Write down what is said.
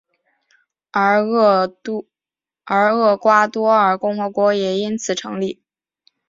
而厄瓜多尔共和国也因此成立。